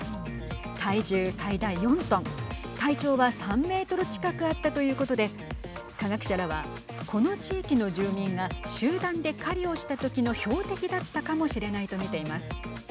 体重、最大４トン体長は３メートル近くあったということで科学者らは、この地域の住民が集団で狩りをした時の標的だったかもしれないと見ています。